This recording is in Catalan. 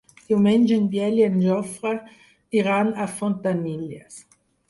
Diumenge en Biel i en Jofre iran a Fontanilles.